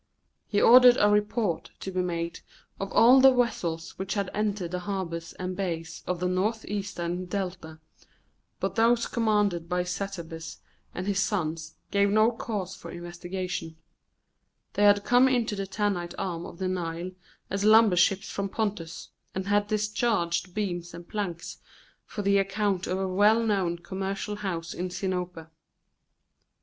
He ordered a report to be made of all the vessels which had entered the harbours and bays of the northeastern Delta, but those commanded by Satabus and his sons gave no cause for investigation; they had come into the Tanite arm of the Nile as lumber ships from Pontus, and had discharged beams and planks for the account of a well known commercial house in Sinope.